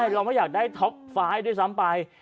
เราไม่อยากได้ท็อปไฟล์ด้วยซ้ำไป